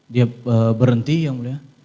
dia berhenti yang mulia